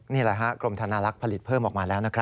นี่แหละฮะกรมธนาลักษณ์ผลิตเพิ่มออกมาแล้วนะครับ